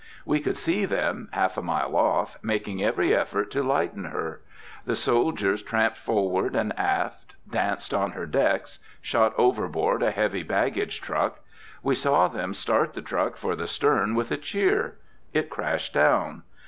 We could see them, half a mile off, making every effort to lighten her. The soldiers tramped forward and aft, danced on her decks, shot overboard a heavy baggage truck. We saw them start the truck for the stern with a cheer. It crashed down.